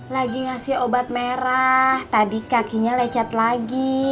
lagi ngasih obat merah tadi kakinya lecet lagi